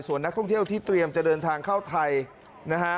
ส่วนนักท่องเที่ยวที่เตรียมจะเดินทางเข้าไทยนะฮะ